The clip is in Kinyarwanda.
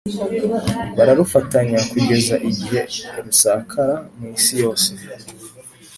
bararufatanya, kugeza igihe rusakara mu isi yose.